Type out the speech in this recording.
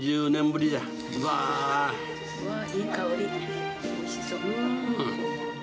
いい香り、おいしそう。